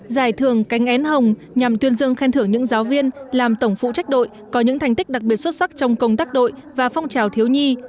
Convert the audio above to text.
giải thưởng cánh én hồng nhằm tuyên dương khen thưởng những giáo viên làm tổng phụ trách đội có những thành tích đặc biệt xuất sắc trong công tác đội và phong trào thiếu nhi